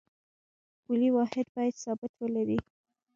پولي واحد باید ثبات ولري